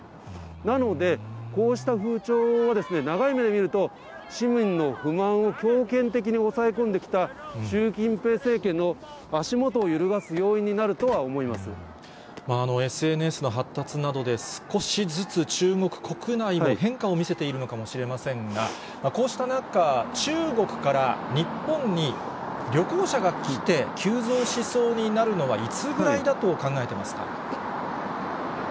なので、こうした風潮は長い目で見ると、市民の不満を強権的に抑え込んできた習近平政権の足元を揺るがすＳＮＳの発達などで、少しずつ中国国内も変化を見せているのかもしれませんが、こうした中、中国から日本に旅行者が来て、急増しそうになるのはいつぐらいだと考えてますか？